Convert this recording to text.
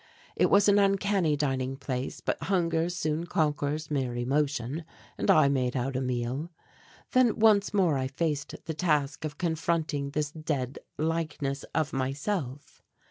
It was an uncanny dining place, but hunger soon conquers mere emotion, and I made out a meal. Then once more I faced the task of confronting this dead likeness of myself.